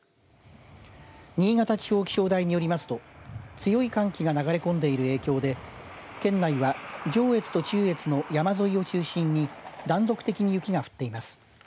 新潟地方気象台によりますと強い寒気が流れ込んでいる影響で県内は上越と中越の山沿いを中心に断続的に雪が降っています。